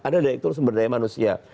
ada faktor daya keberdayaan manusia